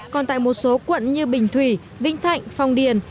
còn tại một số quận như bình thủy vĩnh thạnh phong điền